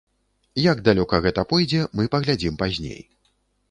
Як далёка гэта пойдзе, мы паглядзім пазней.